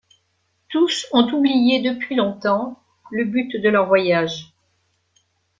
Tous ont oublié depuis longtemps le but de leur voyage.